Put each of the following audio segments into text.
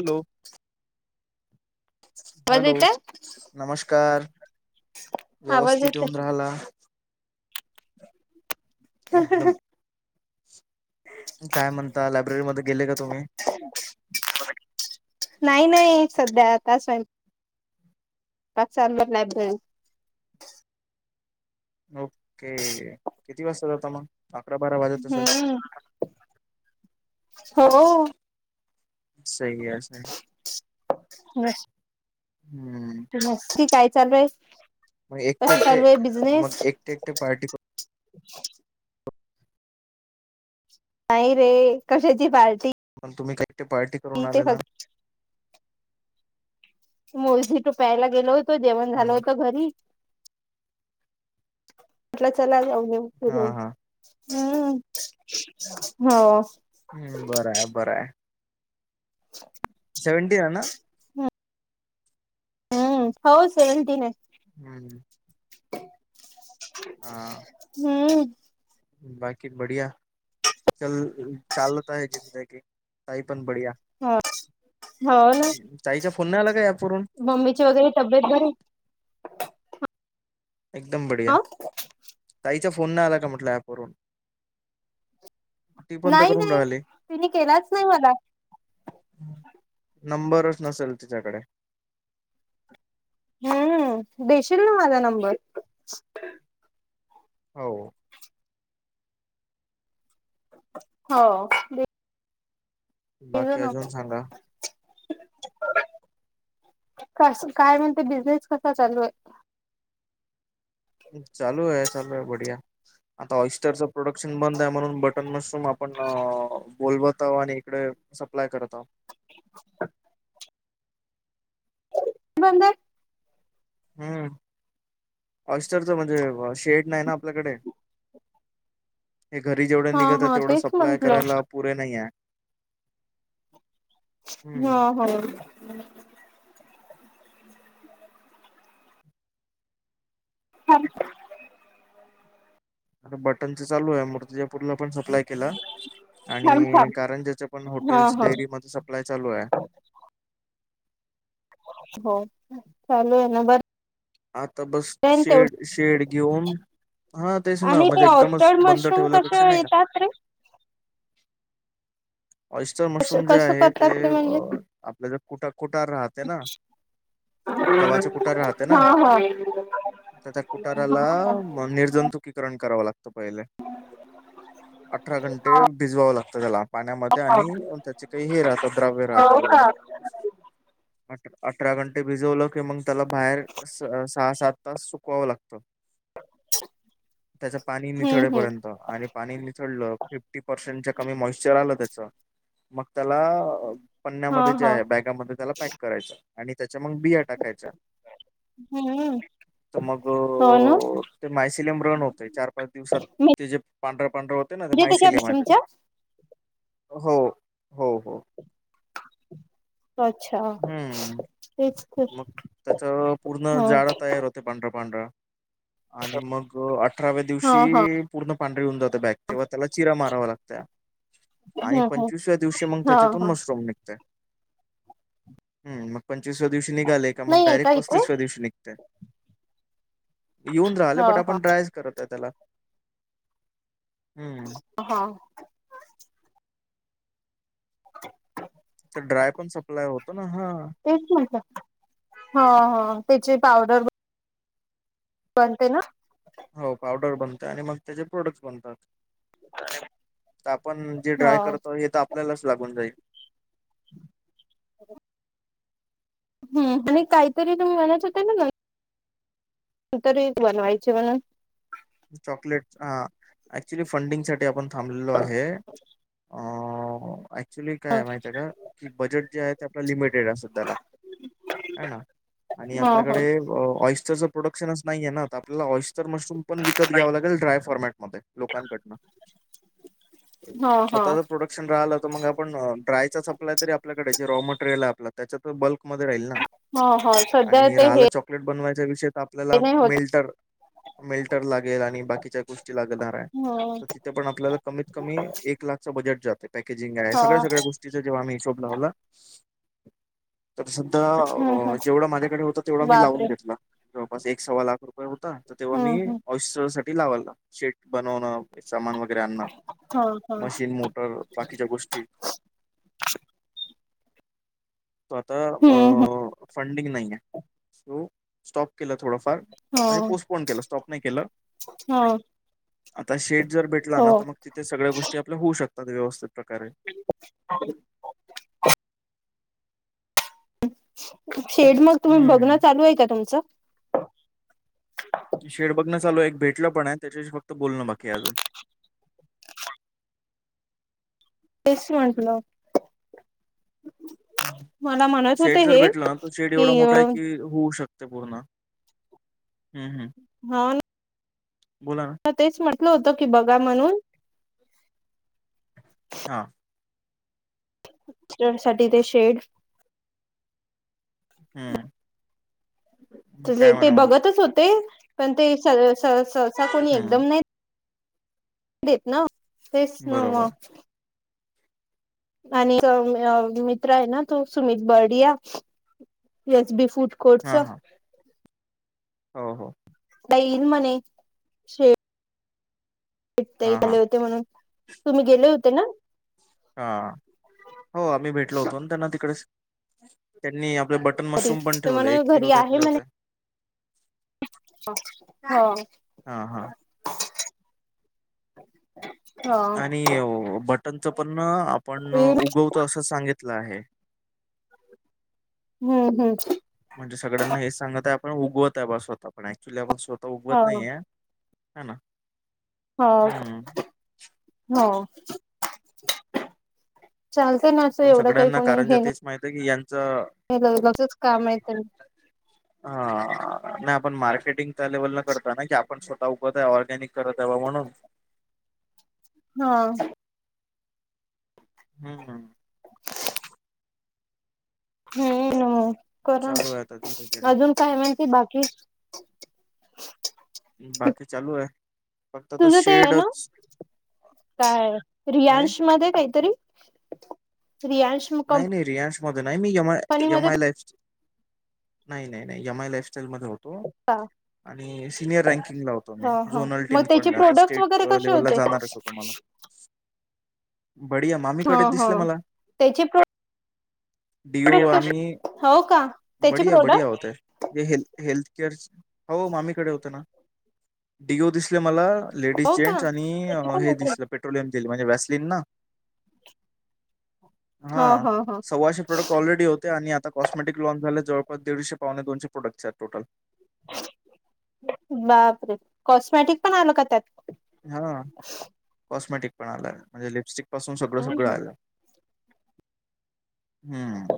Hello. आवाज hello येतय नमस्कार आवाज व्यवस्थित येतय होऊन राहिला. एकदम. काय म्हणता, लायब्ररीमध्ये गेले का तुम्ही? नाही नाही संध्या आता स्वयं पाक चालू झाला आहे बघ. ओके. किती वाजता जाता मग अकरा बारा वाजता. हम्म हो.. सही हे सही हम्म.. नक्की काय चालूय, मग एकटे कस एकटे चालूय मग बिजनेस. एकटे एकटे पार्टी करून, नाही रे कशाची पार्टी. मग तुम्ही काही ते पार्टी करून ते आलेला. फक्त मुळजी तो प्यायला गेलो होतो. जेवण झालं हम्म होतं घरी, म्हटलं चला जाऊन येऊ हा फिरून. हा हम्म.. हो हम्म बराय बराय. [unintelligible] सेव्हनटीन ना, [unintelligible] हम्म हो सेव्हनटीन ये. हम्म. हा हम्म बाकी बढिया चल चालता ह जिंदगी तही पण बढिया हा हो ना ताईच्या फोनने आला का ॲप वरून मम्मीची वगैरे तब्येत बरी ये. एकदम बढिया, ह ताईचा फोन नाही आला का म्हटलं ऍपवरून. ती पण तर नाही करून नाही राहिली तिने केलाच नाही मला. नंबरच नसेल तिच्याकडे, हम्म देशील ना माझा नंबर हो हो ब इ बाकी न अजून सांगा कस काय म्हणते बिझनेस कसा चालू आहे? चालू आहे चालू आहे बढिया. आता ऑइस्टरचं प्रोडक्शन बंद आहे म्हणून बटन मशरूम आपण बोलवत आहो आणि इकडे सप्लाय करत आहो. [unintelligible] म [unintelligible] हम्म अरच म्हणजे शेड नाही ना आपल्याकडे हे घरी जेवढे हा निघत आहे हा तेवढं तेच सप्लाय म्हंटलं करायला पुरे नाही आहे हा हम्म होा हां आता बटनच चालू आहे मूर्तिजापूरला पण सप्लाय केला आणि छान छान कारण ज्याच्या पण हा हॉटेल्स हा डेअरी मध्ये सप्लाय चालू आहे हो चालू आहे ना बर आता बस शेड शेड घेऊन हा तेच ना आणि ते म्हणजे एकदमच ऑस्टर्ड बंद मशरूम कसे ठेवल्यापेक्षा नाही का येतात रे इस्टन मशरूम जे कसं आहे ते करतात म्हणजे आपल्या ज कुट कुटार राहत हा होा त्या त्या कुटाराला निर्जंतु ण कराव लागत पहिले अठरा घंटे भिजवावं लागत त्याला पाण्यामध्ये आणि त्याचे काही हे राहतात द्रव्य राहतात अजून का अ अठरा घंटे भिजवलं की मग त्याला बाहेर सहा सात तास सुकवावं लागतं त्याच पाणी हम्म हम्म निचळेपर्यंत आणि पाणी निचडलं फिफ्टी पर्सेंटच्या कमी मॉइस््चर आलं त्या मग त्याला हा पण्यामध्ये हा जे ब त्याला पॅक करायचा आणि त्याच्या मग बिया टाकायचा हम्म तर मग हो ना ते मायसिलिम रन होतय चार पाच दिवसात ते जे पांढरं पांढर हो ना ते म्हणजे त्याच्या माैसिलीमध्ये तुमच्या हो हो हो अच्छा हम्म तेच मग त्याच पूर्ण हा जाडं तयार होत पांढरा पांढरा आणि मग अठराव्या हा हा दिवशी पूर्ण पांढर येऊन जात बॅक तेव्हा त्याला चिरा मारावा लागत आणि ह ह पंचवीसव्या दिवशी मग हा त्याच्यातून हा मशरूम निघते हम मग पंचवीव्या दिवशी निघाले मग नाही आहे का डायरेक्ट इथे पस्तीसव दिवशी निघ येऊन राहि ह हा आपणा करत त्याला हम्म हा [inaudible] तर ड्राय पण सप्लाय होतो ना हा ते त्याची पावडर अते ना हो पावडर बनत आणि मग त्याचे प्रोडक्ट्स बनतात तर आपण जे हो ड्राय करतो हे तर आपल्यालाच लागून जाईल [inaudible] ह आणि काहीतरी तुम्ही म्हणायच होता ना तरी बनवायचे म्हणून चॉकलेट हा ऍक्च्युली फंडिंग साठी आपण थांबलेलो आहे क्च्युली ह काय माहिती आहे का की बजेट जे आहे त्या लिमिटेड आहेध्याला ना आणि ह आपल्याकडे ऑस्टरचं प्रोडक्शनच नाहीये ना आपल्याला ऑइस्टर मशरूम पण विकत घ्यावा लागे ड्राय फॉर्मॅटमध्ये लोकांकडनं ह ह स्वतःचा प्रोडक्ट राहि तर मग आपण डायचा स्लाय तरी आपकडे जे रॉ मटेरियल आहे आपल्या त्याच्या तर बल्कमध्ये राहील ना ह ह सध्या आणि ते राहाला हे चॉकलेट बनवायच्या विषय आप नाही होत मिल्टर मिल गो हम्म तथ आपल्या कत क एक लाखच बजेट जाते पॅकेजिंग आहे ह सगळ्या सगळ्या गोष्टीच जेव्हा आम्हीिशोब लावला तर सधा हम्म हम्म जेवढा माझ्याकडे होत तेवढा मी लावून बापरे घेतला जवळपास एक सव्वा लाख रुपये होता तर तेव्हा मी हम्म हम्म ऑस्टर साठी लावाला शेट बनवणं सामान वगैरे अना हा हा मशीन मोटर बाकीच्या गोष्टी तो आता हम्म हम्म फंडिंग नाही आहे सो स्टॉप केला थोडा फार म्हणजे हा पोस्टपोन केला स्टॉप नाही केलं हा आता शेड जर भेटला हो ना तर मग तिथे सगळ्या गोष्टी आपल्या होऊ शकतात व्यवस्थित प्रकारे ह शेड मग तुम्ही बघणं हं. चालू आहे का तुमचं शेड बघणं चालू एक भेटलं पण आहे त्याच्याशी फक्त बोलणं बाकी अजून टस् मणसला म्हणत होते शेड जर हे भेटला ना तर शेड कि एवढा मोठा आहे की होऊ शकत मपूर्ण हम् हम् हा ना बोला ना तेच म्हटलं होतं की बघा म्हणून हा साठी ते शेड हम्म े ते बघतच होते पण ते स सहसा कोणी हं. एकदम नाही ेत ना तेच ना बरोबर. मग आणि मित्र आहे ना तो सुमित बर्डिया येस बी फूड हा कोर्टचा हा हो हो दईन मने शे हां, हां. आले होते म्हणून तुम्ही गेले होते ना हा हो आम्ही भेटलो होतो ना त्यांना तिकडे त्यांनी आपले बटन घरी मशरूम पण ते ठेवले म्हणे एक किलो घेतले होते होा हां, हां. आणि बटनच पण आपण येईल उगवतो असं सांगितलं आहे हम्म हम्म म्हणजे सगळ्यांना हेच सांगत आहे आपण उगवत आहे बा स्वतः पण ऍक्च्युली आपणवः उगत हो नाहीय ह ना हो हम्म हो चालतं ना त पण एवढं काही सगळ्यांना कोणी कारंजा हे तेच माहित आहे की यांचं नाहीच काम य हा. नाही आपण मार्केटिंग त्या लेवलला करतो ना? की- पण स्वतः उगवत आहे. ऑरगॅनिक करत आहे बा म्हणून? हं. हम्म्म हम्म क् हम्म ना करा चालू आहे आता धीरे धीरे अजून काय म्हणते बाकी बाकी चालू आहे. फक्त आता तुझं ते आहे ना? शेडच काय? काय रियांश मध्ये काहीतरी रियांश नाही नाही रियांश मध्ये नाही. मी ए माय, ए कंपनीमध्ये माय लाईफ नाही नाही नाही एम आय लाईफस्टाईल मध्ये होतो. का आणि सिनियर रँकिंगला होतो मी. ह ह झोनल मग टीम त्याचे पण. आता प्रोडक्ट्स स्टेट वगैरे कसे लेवल ला होते जाणारच होतो. मला- बढीया. मामीकडेच दिसल मला. त्याची- डिओ [unintelligible] हो का त्याचे बढिया बढिया प्रोडक्ट होतय. ल् हेल्थकेअर. हो, मामीकडे होतो ना. डीओ दिसले मला- लेडीज हो का जेंट्स आणि हे दिसलं पेट्रोलियम जेल म्हणजे व्हॅसलीन ना? ह हा ह ह सव्वाशे प्रोडक्ट ऑलरेडी होते आणि आता कॉस्मेटिक लॉन्च झाले जवळपास दीडशे पावणे दोनशे प्रोडक्ट्स आहेत टोटल. बापरे! कॉस्मॅटिक पण आल का त्यात? हा. कॉस्मेटिक पण आल. म्हणजे लिपस्टिक पासून सगळं सगळं आलं. हम्म.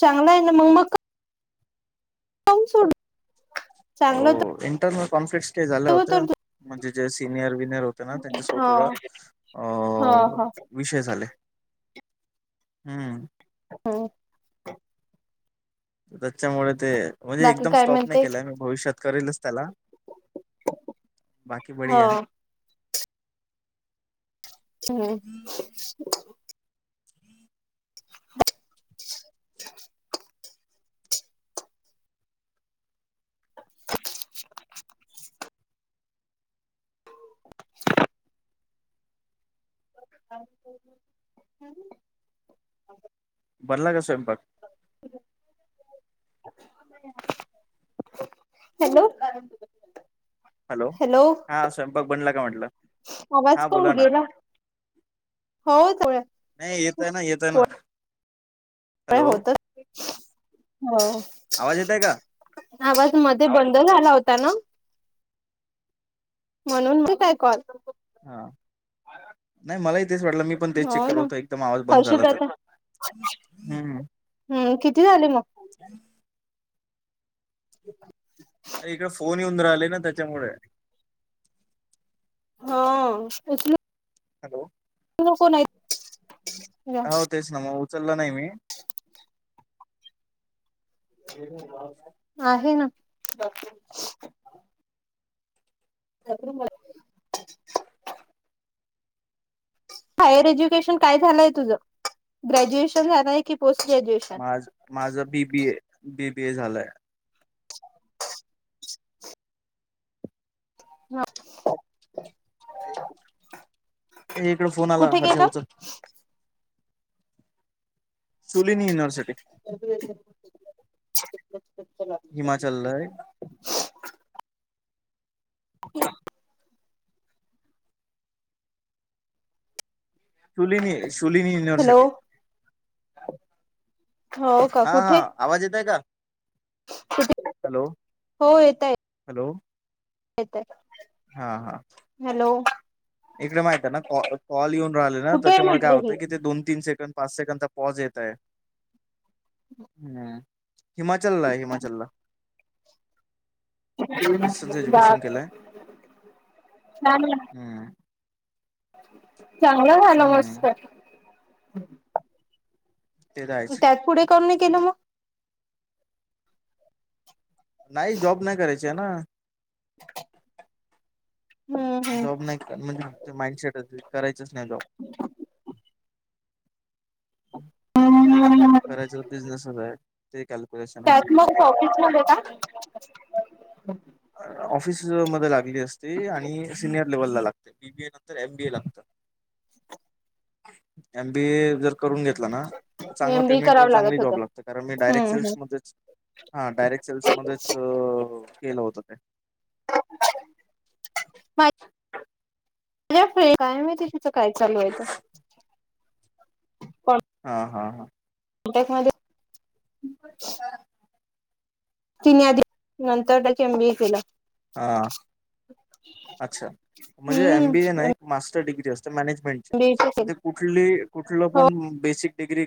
चांगला आहे ना मग मग काऊन सोड हो. चांगलं इंटरनल कॉन्फ्लिक्स ते झालं तर हो होत. तर म्हणजे जे सिनियर विनियर होते ना त्यांच्याशी हो थोडं अ, हो हो विषय झाले. हम्म. हो. त्याच्यामुळे ते. म्हणजे बाकी एकदम काय स्टॉप नाही म्हणते केला मी भविष्यात करेलच त्याला. बाकी हो बढिया. हम्म. [unintelligible] बनला का स्वयंपाक? हॅलो. हॅलो. हा स्वयंपाक बनला का म्हटलं? आवाज हा का बोला बर ना गेला? हो. चालेल - नाही येतोय ना, येतोय ना. हॅलो होत हो. आवाज येतय का आवाज मध्ये बंद झाला होता ना? म्हणून बी काय कॉल- हा. नाही मलाही तेच वाटलं. मी पण तेच हो चेक करत ना होतो एकदम आवाज बंद झाला हर्षदा तर, आता हम्म. हम्म. किती झाले मग? अरे इकडे फोन येऊन राहिले ना त्याच्यामुळे. हा. पुसद. हॅलो. [unintelligible] तुझ्या हो. तेच ना मग उचलला नाही मी. आहे ना. [inaudible] हायर एज्युकेशन काय झालंय तुझ ग्रॅज्युएशन झालंय की पोस्ट ग्रॅज्युएशन माझ माझ बीबी ए बीबी ए झालंय हा इकड फोन आला कुठे हर्षा केलं उचल सुलीिनी युिव्हसिटी चम् हिमाचललाय शुलिनी शलिनी हॅलो युनिव्हर्सिटी हो का हा हा कुठे आवाज येतय का हॅलो हो येतय हॅलो येतय. हा हा हॅलो. इकडे माहित आहे ना क कॉल येऊन राहिले ना कुठे आहे त्याच्यामुळे काय म्हटलं ही होतं की ते दोन तीन सेकंड पाच सेकंडचा पॉज येत आहे हम्. हिमाचल ला आहे हिमाचल ला. डिस्टन्स एज्युकेशन केलंय बा हम्म चांगलं झालं मस्त हम्म ते राहायच त्यात पुढे करून नाही केलं मग नाही जॉब नाही करायची आहे ना. [unintelligible] जॉब नाही म्हणजे आच माइंडसेट अस करायचच नाही जॉब हम् हम्म हम ह करायच बिझनेस आहे ते कॅल्क्युलेशन आहे. ऑफिसमध्ये का? ऑफिस मध्ये लागली असते आणि सिनियर लेव्हलला लागते बीबीए नंतर एमबीए लागतात. एमबीए जर करून घेतला ना चांगला एम बी ए पेमेंट व करावं चांगली होत जॉब लागत कारण मी हम्म डायरेक्ट हम्म सेल्समध्येध्ये हा डायरेक्ट सेल्समध्येच केलं होतं ते अ काय माती तिचं काय चालू आहे. ह. हा हा हा. कॉ्टॅक्टमध्ये हा. तिन आधी नंतर एम बी ए केलं. हा अच्छा म्हणजे हम्म एम बी ए नाही मास्टर डिग्री असते मॅनेजमेंट एमबीए तर केलं ते कुठली कुठलं हो पण बेसिक डिग्री